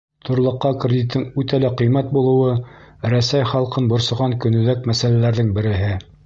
Торлаҡҡа кредиттың үтә лә ҡиммәт булыуы — Рәсәй халҡын борсоған көнүҙәк мәсьәләләрҙең береһе.